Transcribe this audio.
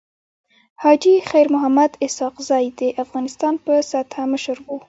حاجي خير محمد اسحق زی د افغانستان په سطحه مشر وو.